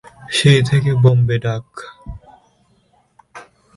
সেই থেকে ‘বোম্বে ডাক’।